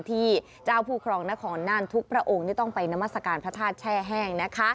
ที่เจ้าผู้ครองนครน่านทุกพระองค์ต้องไปนามัศกาลพระธาตุแช่แห้งนะคะ